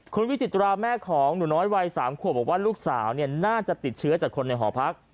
คุณวิจิตราแม่ของหนูน้อยวัย๓ขวบบอกว่าลูกสาวน่าจะติดเชื้อจากคนในหอพัก